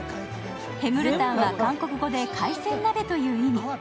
ヘムルタンは韓国語で海鮮鍋という意味。